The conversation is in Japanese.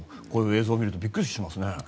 こういう映像を見るとびっくりしますね。